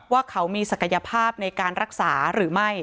ว่าเขามีศักยภาพในการรักษาหรือไม่